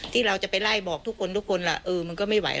ที่เราจะไปไล่บอกทุกคนทุกคนล่ะเออมันก็ไม่ไหว